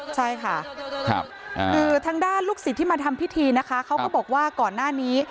ใช่ค่ะคือทางด้านลูกศิษย์ที่มาทำพิธีนะคะเขาก็บอกว่าก่อนหน้านี้